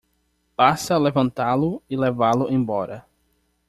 Basta levantá-lo e levá-lo embora.